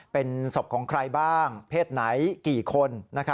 เป็นศพของใครบ้างเพศไหนกี่คน